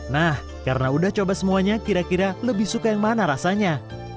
nah karena udah coba semuanya kira kira lebih suka yang mana rasanya